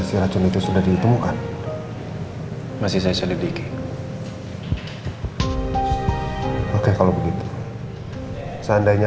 sampai jumpa di video selanjutnya